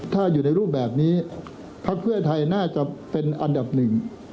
ถ้าอยู่ในรูปแบบนี้ภักดิ์เพื่อไทยน่าจะเป็นอันดับหนึ่ง